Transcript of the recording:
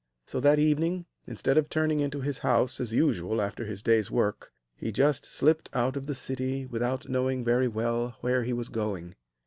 So that evening, instead of turning into his house as usual after his day's work, he just slipped out of the city without knowing very well where he was going.